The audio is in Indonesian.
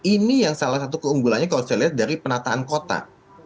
ini yang salah satu keunggulannya kalau saya lihat dari penataan kota